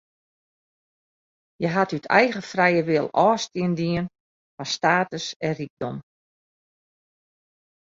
Hja hat út eigen frije wil ôfstân dien fan status en rykdom.